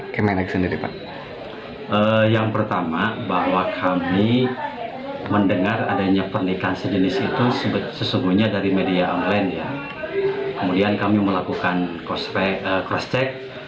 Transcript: terima kasih atas dukungan anda